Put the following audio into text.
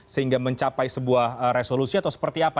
sehingga mencapai sebuah resolusi atau seperti apa